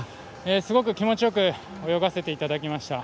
すごく気持ちよく泳がせていただきました。